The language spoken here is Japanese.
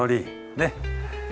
ねっ。